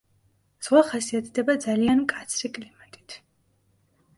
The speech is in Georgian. ზღვა ხასიათდება ძალიან მკაცრი კლიმატით.